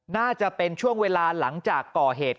น่าจะเป็นช่วงเวลาหลังจากก่อเหตุ